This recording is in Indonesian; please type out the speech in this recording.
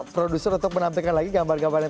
produser untuk menampilkan lagi gambar gambarnya